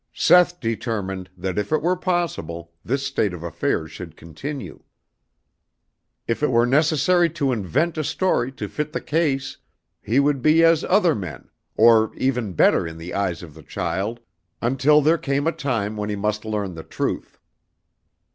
Seth determined that if it were possible, this state of affairs should continue. If it were necessary to invent a story to fit the case, he would be as other men, or even better in the eyes of the child, until there came a time when he must learn the truth.